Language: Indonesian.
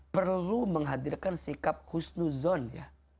perlu menghadirkan sikap husnuzon ya